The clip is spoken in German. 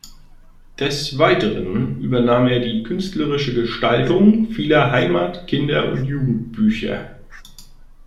Des Weiteren übernahm er die künstlerische Gestaltung vieler Heimat-, Kinder- und Jugendbücher.